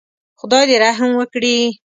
خدای دې رحم وکړي.